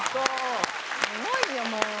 すごいよもう。